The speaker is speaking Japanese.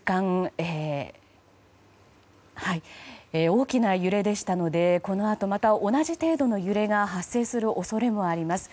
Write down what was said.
大きな揺れでしたのでこのあと、また同じ程度の揺れが発生する恐れもあります。